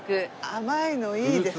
甘いのいいですね。